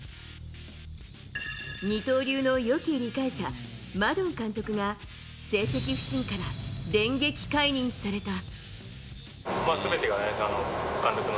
二刀流のよき理解者マドン監督が成績不振から電撃解任された。